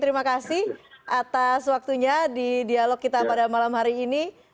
terima kasih atas waktunya di dialog kita pada malam hari ini